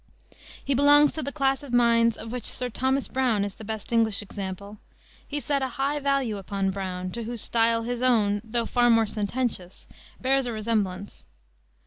He belongs to the class of minds of which Sir Thomas Browne is the best English example. He set a high value upon Browne, to whose style his own, though far more sententious, bears a resemblance.